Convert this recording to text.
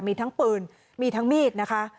มีทั้งปืนมีทั้งมีดนะคะ